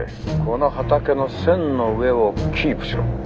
この畑の線の上をキープしろ。